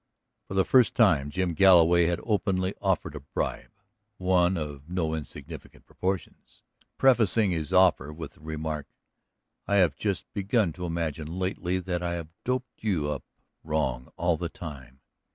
For the first time Jim Galloway had openly offered a bribe, one of no insignificant proportions, prefacing his offer with the remark: "I have just begun to imagine lately that I have doped you up wrong all the time."